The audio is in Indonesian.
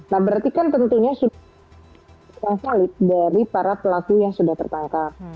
nah berarti kan tentunya sudah yang solid dari para pelaku yang sudah tertangkap